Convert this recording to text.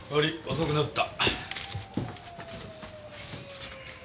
遅くなった。